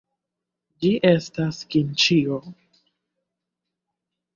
Ĝi estas kimĉio.